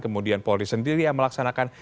kemudian polri sendiri yang melaksanakan